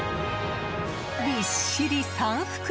びっしり３袋！